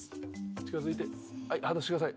近づいて外してください。